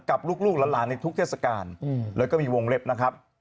กับลูกหลานในทุกเทศกาลแล้วก็มีวงเล็บนะครับ